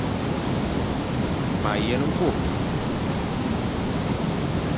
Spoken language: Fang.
Ma yen bo ;